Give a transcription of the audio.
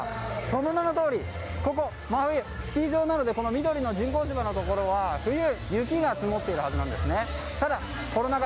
その名のとおりここはスキー場なので緑の人工芝のところは冬は雪が積もっているはずなんですね。